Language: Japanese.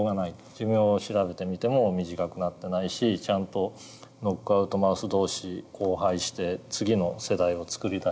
寿命を調べてみても短くなってないしちゃんとノックアウトマウス同士交配して次の世代を作り出す。